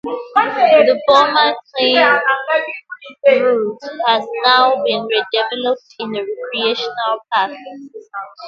The former train route has now been redeveloped into a recreational path.